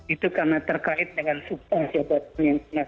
itu karena terkait dengan sumpah si obat penyelamat